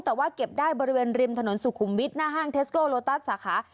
แต่ว่าเก็บได้บริเวณริมถนนสุขุมวิทย์หน้าห้างเทสโกโลตัสสาขา